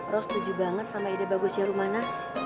roh setuju banget sama ide bagusnya rumana